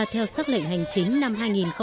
theo xác lệnh hành chính năm hai nghìn một mươi chín